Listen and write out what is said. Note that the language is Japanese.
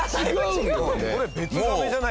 これ別ガメじゃない？